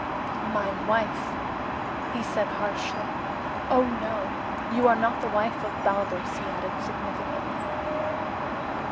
"My wife?" he said harshly. "Oh, no. You are not the wife of Baldos," he added significantly.